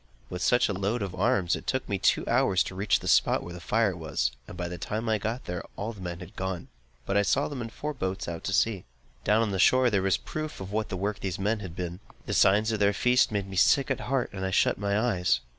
With such a load of arms, it took me two hours to reach the spot where the fire was; and by the time I got there, the men had all gone; but I saw them in four boats out at sea. Down on the shore, there was a proof of what the work of these men had been. The signs of their feast made me sick at heart, and I shut my eyes.